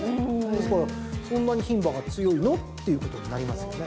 ですからそんなに牝馬が強いの？っていうことになりますよね。